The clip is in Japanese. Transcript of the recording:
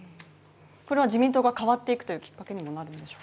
これは自民党が変わっていくきっかけにもなるんでしょうか。